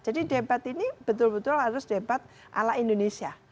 jadi debat ini betul betul harus debat ala indonesia